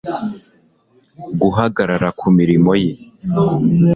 guhagarara ku mirimo ye